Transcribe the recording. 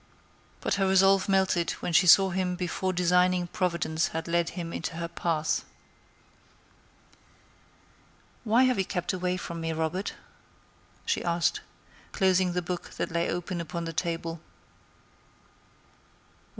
But her resolve melted when she saw him before designing Providence had led him into her path. "Why have you kept away from me, Robert?" she asked, closing the book that lay open upon the table.